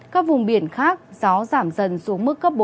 các vùng biển khác gió giảm dần xuống mức cấp bốn